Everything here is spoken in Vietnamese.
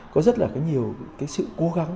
có rất là cái nhiều cái sự cố gắng